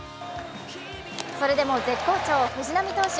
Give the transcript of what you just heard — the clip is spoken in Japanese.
それでも絶好調・藤浪投手。